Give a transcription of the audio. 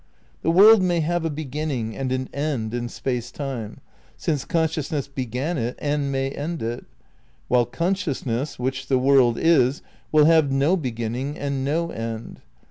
The world may have a be ginning and an end in Space Time, since conscious ness began it and may end it; while consciousness, which the world is, will have no beginning and no end.